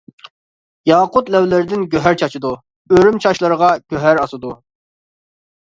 ياقۇت لەۋلىرىدىن گۆھەر چاچىدۇ، ئۆرۈم چاچلىرىغا گۆھەر ئاسىدۇ.